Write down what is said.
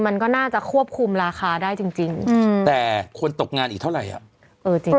มันก็น่าจะควบคุมราคาได้จริงแต่คนตกงานอีกเท่าไหร่อ่ะเออจริง